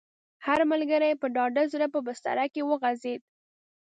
هر ملګری په ډاډه زړه په بستره کې وغځېد.